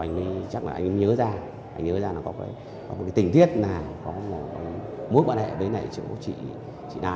anh ấy chắc là anh ấy nhớ ra anh ấy nhớ ra là có cái tình tiết là có mối quan hệ với chỗ chị nà